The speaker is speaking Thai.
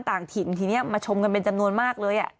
ต่างถิ่นทีนี้มาชมกันเป็นจำนวนมากเลย